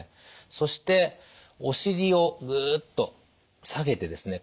そしておしりをグッと下げてですね